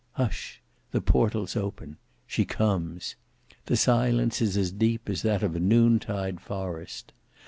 Hush! the portals open; She comes! The silence is as deep as that of a noontide forest.